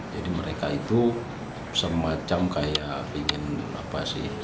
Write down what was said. jadi mereka itu semacam kayak ingin apa sih